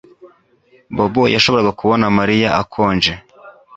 Bobo yashoboraga kubona Mariya akonje